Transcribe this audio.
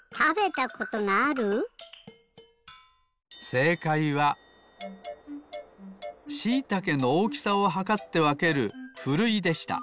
せいかいはしいたけのおおきさをはかってわけるふるいでした。